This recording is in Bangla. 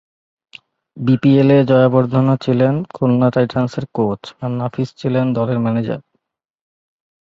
বিপিএলে জয়াবর্ধনে ছিলেন খুলনা টাইটানসের কোচ আর নাফিস ছিলেন দলের ম্যানেজার।